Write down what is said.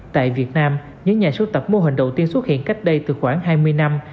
tại việt nam những nhà sưu tập mô hình đầu tiên xuất hiện cách đây từ khoảng hai mươi năm